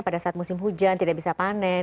pada saat musim hujan tidak bisa panen